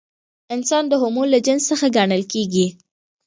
انسان د هومو له جنس څخه ګڼل کېږي.